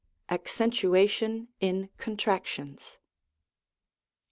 ACCENTUATION IN CONTRACTIONS.